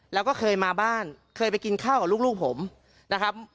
แล้วก็เคยมาบ้านเคยไปกินข้าวกับลูกผมนะครับ